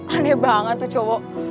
aneh banget tuh cowok